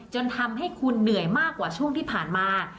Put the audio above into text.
จนทำให้คุณเหนื่อยมากกว่าช่วงที่ผ่านมา